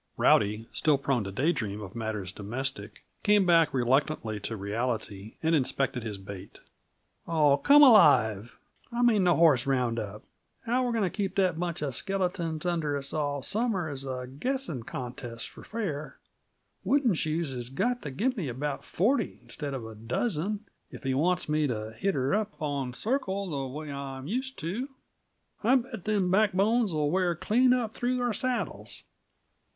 Rowdy, still prone to day dreams of matters domestic, came back reluctantly to reality, and inspected his bait. "Oh, come alive! I mean the horse round up. How we're going to keep that bunch uh skeletons under us all summer is a guessing contest for fair. Wooden Shoes has got t' give me about forty, instead of a dozen, if he wants me t' hit 'er up on circle the way I'm used to. I bet their back bones'll wear clean up through our saddles."